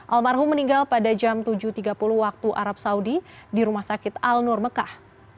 almarhum meninggal pada jam tujuh tiga puluh waktu arab saudi di rumah sakit al nur mekah